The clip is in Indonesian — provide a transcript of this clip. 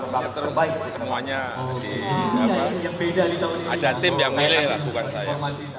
terus semuanya ada tim yang milih lakukan saya